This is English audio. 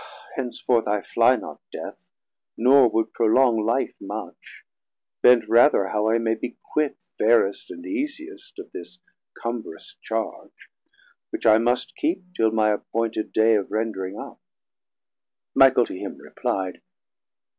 Henceforth I flie not Death, nor would prolong Life much, bent rather how I may be quit Fairest and easiest of this combrous charge, Which I must keep till my appointed day Of rendring up, Michael to him repli'd.